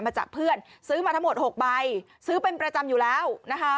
มาจากเพื่อนซื้อมาทั้งหมดหกใบซื้อเป็นประจำอยู่แล้วนะคะ